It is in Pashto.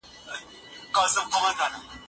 ساینسپوهان د تېرو خبرو یادول ګټور بولي.